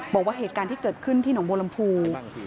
บอกว่าเหตุการณ์ที่เกิดขึ้นที่หนองบัวลำพู